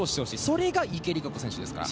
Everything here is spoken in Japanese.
それが池江璃花子選手ですから。